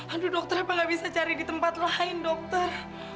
aduh dokter apa gak bisa cari di tempat lain dokter